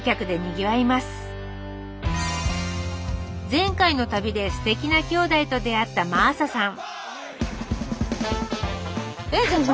前回の旅ですてきなきょうだいと出会った真麻さん。